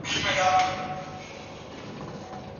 څېړونکي د مسایلو د حل لپاره پلټني کوي.